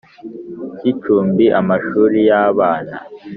Cy icumbi amashuri y abana